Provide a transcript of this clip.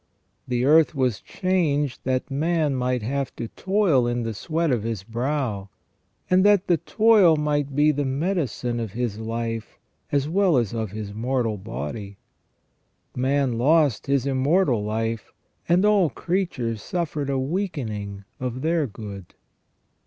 The earth was changed that man might have to toil in the sweat of his brow, and that the toil might be the medicine of his life as well as of his mortal body. Man lost his immortal life, and all creatures suffered a weakening of their good.